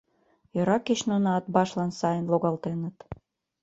Йӧра кеч нуно Атбашлан сайын логалтеныт.